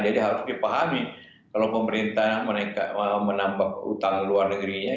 jadi harus dipahami kalau pemerintah menambah utang luar negerinya